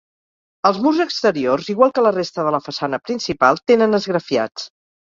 Els murs exteriors, igual que la resta de la façana principal, tenen esgrafiats.